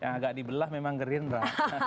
yang agak di belah memang gerindra